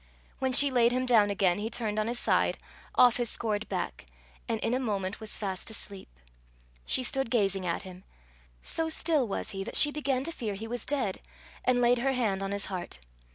When she laid him down again, he turned on his side, off his scored back, and in a moment was fast asleep. She stood gazing at him. So still was he, that she began to fear he was dead, and laid her hand on his heart.